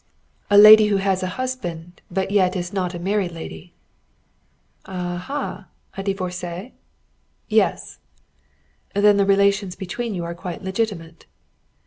"A lady who has a husband, but yet is not a married lady." "Aha! A divorcée?" "Yes." "Then the relations between you are quite legitimate."